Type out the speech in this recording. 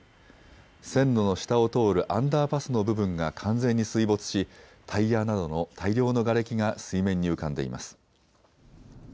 線路の下を通るアンダーパスの部分が完全に水没しタイヤなどの大量のがれきが水面に浮かんでいます。